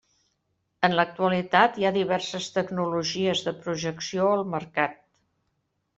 En l'actualitat hi ha diverses tecnologies de projecció al mercat.